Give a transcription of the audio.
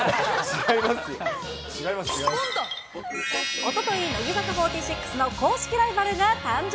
おととい、乃木坂４６の公式ライバルが誕生。